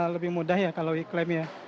lebih mudah ya kalau iklimnya